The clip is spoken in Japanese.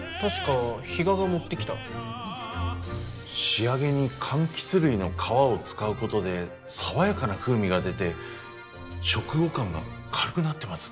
仕上げにかんきつ類の皮を使うことで爽やかな風味が出て食後感が軽くなってます。